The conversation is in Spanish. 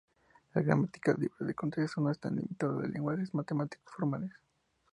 Las gramáticas libres de contexto no están limitadas a lenguajes matemáticos formales.